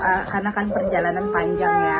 karena kan perjalanan panjang ya